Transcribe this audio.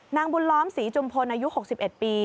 นางบุญล้อมศรีจุมพลอายุ๖๑ปี